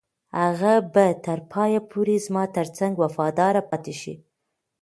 هغه به تر پایه پورې زما تر څنګ وفاداره پاتې شي.